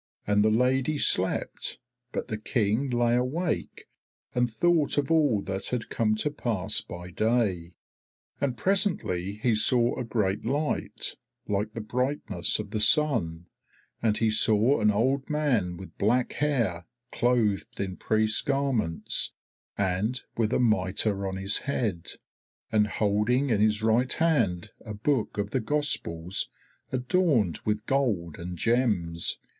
And the Lady slept, but the King lay awake and thought of all that had come to pass by day. And presently he saw a great light, like the brightness of the sun, and he saw an old man with black hair, clothed in priest's garments, and with a mitre on his head, and holding in his right hand a book of the Gospels adorned with gold and gems.